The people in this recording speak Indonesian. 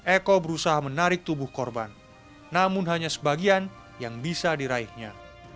eko berusaha menarik tubuh korban namun hanya sebagian yang bisa diraihnya